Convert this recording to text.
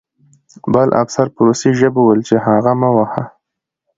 بل افسر په روسي ژبه وویل چې هغه مه وهه